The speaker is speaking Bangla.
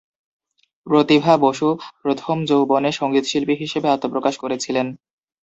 প্রতিভা বসু প্রথম যৌবনে সংগীতশিল্পী হিসেবে আত্মপ্রকাশ করেছিলেন।